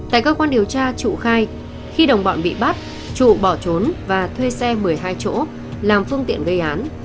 tại cơ quan điều tra trụ khai khi đồng bọn bị bắt trụ bỏ trốn và thuê xe một mươi hai chỗ làm phương tiện gây án